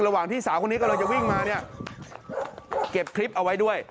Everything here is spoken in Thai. ระหว่างที่สาวคนนี้กำลังจะวิ่งมาเนี่ยเก็บคลิปเอาไว้ด้วย